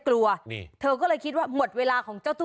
ก็คือเธอนี่มีความเชี่ยวชาญชำนาญ